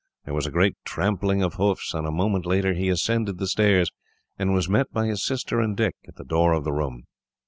There was a great trampling of hoofs, and a minute later he ascended the stairs, and was met by his sister and Dick at the door of the room.